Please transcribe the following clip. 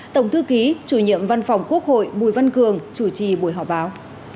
tổng thư ký chủ nhiệm văn phòng quốc hội bùi văn cường chủ trì buổi họp báo